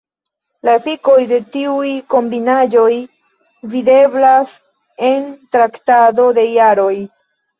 La efikoj de tiuj kombinaĵoj videblas en traktado de jaroj.